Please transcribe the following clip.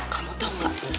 kamu tau gak